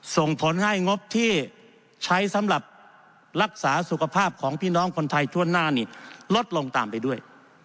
ส่งผลให้งบที่ใช้สำหรับรักษาสุขภาพของพี่น้องคนไทยทั่วหน้านี่ลดลงตามไปด้วย